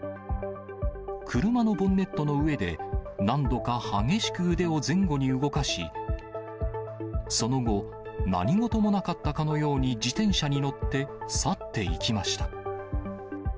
車のボンネットの上で、何度か激しく腕を前後に動かし、その後、何事もなかったかのように自転車に乗って去っていきました。